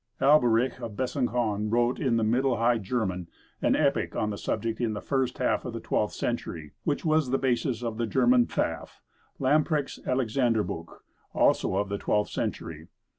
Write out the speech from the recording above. Alberich of Besançon wrote in Middle High German an epic on the subject in the first half of the twelfth century, which was the basis of the German "Pfaffe" Lamprecht's "Alexanderbuch," also of the twelfth century.